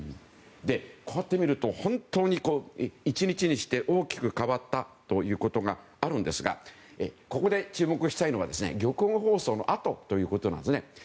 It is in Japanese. こうやってみると、本当に１日にして大きく変わったということがあるんですがここで注目したいのが玉音放送のあとなんですね。